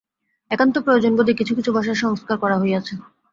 একান্ত প্রয়োজনবোধে কিছু কিছু ভাষার সংস্কার করা হইয়াছে।